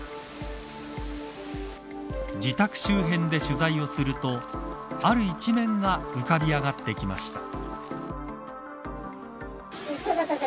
自宅周辺で取材をするとある一面が浮かび上がってきました。